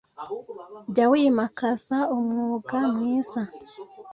Jya wimakaza umwuka mwiza